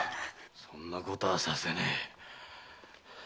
そんなことはさせねえ。